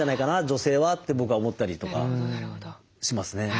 女性はって僕は思ったりとかしますね。